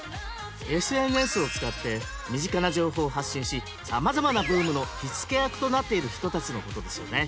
ＳＮＳを使って身近な情報を発信しさまざまなブームの火付け役となっている人たちのことですよね